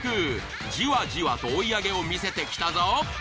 じわじわと追い上げを見せてきたぞ。